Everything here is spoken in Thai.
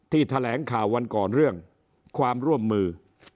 แถลงข่าววันก่อนเรื่องความร่วมมือ